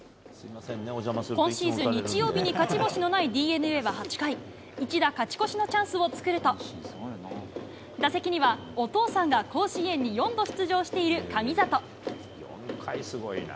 今シーズン、日曜日に勝ち星のないＤｅＮＡは８回、一打勝ち越しのチャンスを作ると、打席には、お父さんが甲子園に４度出場している神里。